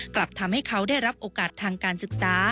กลับทำให้เขาได้รับโอกาสทางการศึกษา